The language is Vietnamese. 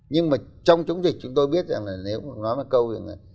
nhưng mà trong chống dịch chúng tôi biết rằng là nếu mà nói một câu là